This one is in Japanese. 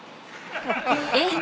［えっ？